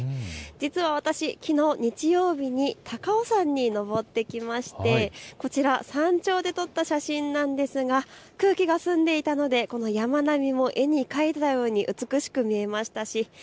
実は私日曜日に高尾山に登ってきましてこちら山頂で撮った写真なんですが空気が澄んでいたのでこの山並みも絵に描いたように美しく見えましたし